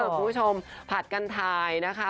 คุณผู้ชมผัดกันถ่ายนะคะ